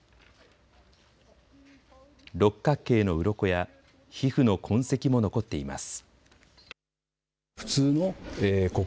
六角形のうろこや皮膚の痕跡も残っています。